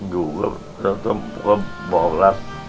อยู่ก็บอกแล้ว